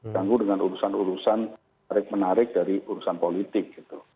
janggu dengan urusan urusan menarik menarik dari urusan politik